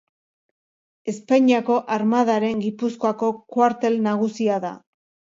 Espainiako Armadaren Gipuzkoako kuartel nagusia da.